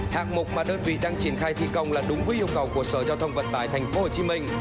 hạng mục mà đơn vị đang triển khai thi công là đúng với yêu cầu của sở giao thông vận tải thành phố hồ chí minh